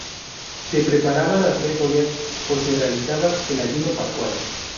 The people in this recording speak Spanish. Se preparaba las tres ollas, o se realizaba el ayuno pascual.